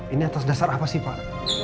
ini atas dasar apa sih pak